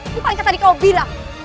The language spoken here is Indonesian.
bukan yang tadi kau bilang